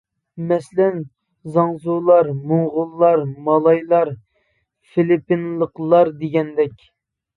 مەسىلەن، زاڭزۇلار، موڭغۇللار، مالايلار، فىلىپپىنلىقلار دېگەندەك.